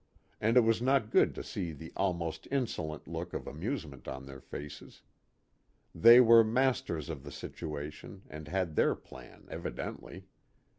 And it was not good to see the almost insolent look of amusement on their faces. They were mas ters of the situation, and had their plan, evidently.